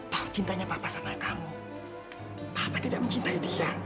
takut cintanya papa sama kamu papa tidak mencintai dia